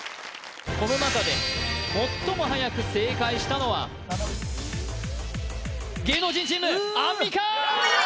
この中で最もはやく正解したのは芸能人チームアンミカ！